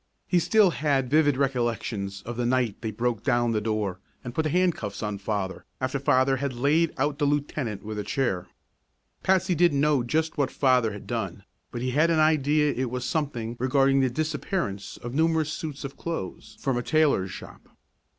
He still had vivid recollections of the night they broke down the door and put the handcuffs on father after father had laid out the lieutenant with a chair. Patsy didn't know just what father had done, but he had an idea it was something regarding the disappearance of numerous suits of clothes from a tailor's shop.